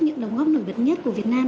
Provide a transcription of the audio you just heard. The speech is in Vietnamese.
những đóng góp nổi bật nhất của việt nam